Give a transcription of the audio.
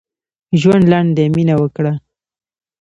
ژوند لنډ دی؛ مينه وکړه.